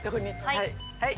はい。